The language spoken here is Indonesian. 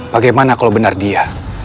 bagaimana kalau benar dia